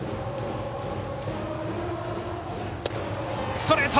ストレート！